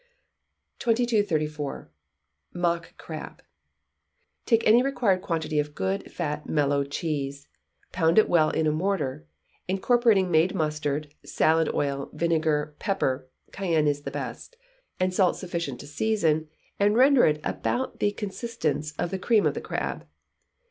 2234. Mock Crab. Take any required quantity of good fat mellow cheese, pound it well in a mortar, incorporating made mustard, salad oil, vinegar, pepper (cayenne is the best), and salt sufficient to season and render it about the consistence of the cream of a crab.